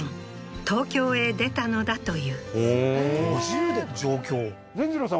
東京へ出たのだというふーん